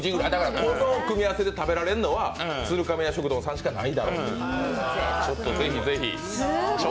この組み合わせで食べられるのは鶴亀屋食堂さんしかないだろうと。